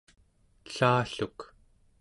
ellalluk